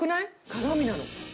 鏡なの。